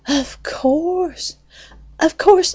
"Of course, of course!